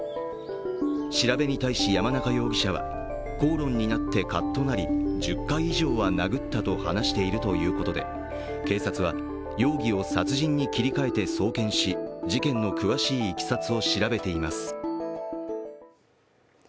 調べに対し、山中容疑者は口論になってカッとなり１０回以上は殴ったと話しているということで警察は容疑を殺人に切り替えて送検し事件の詳しいいきさつを調べています。